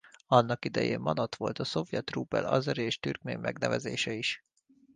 Annak idején manat volt a szovjet rubel azeri és türkmén megnevezése is.